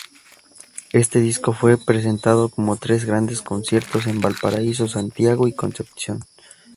Este disco fue presentado con tres grandes conciertos en Valparaíso, Santiago y Concepción.